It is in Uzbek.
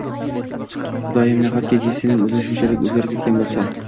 Xudoyim, nahotki, Jessining o`zi shunchalik o`zgarib ketgan bo`lsa